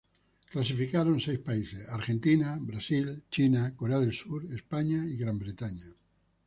Clasificaron seis países: Argentina, Brasil, China, Corea del Sur, España y Gran Bretaña.